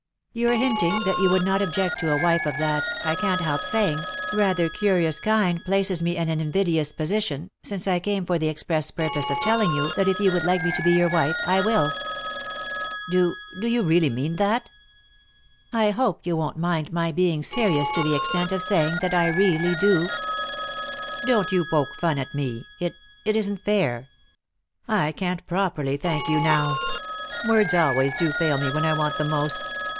" Your hinting that you would not object to a wife of that, I can't help saying, rather curious kind places me in an invidious position, since I came for the express purpose of telling you that if you would like me to be your wife I will." " Do— do you really mean that ?" 208 ;«y?e.c.V GOOglC THE INTERRUPTED KISS " I hope you won't mind my being serious to the extent of saying that I really do." "Don't you poke fun at me, it — it isn't fair. I can't properly thank you now ; words always do fail me when I want them most.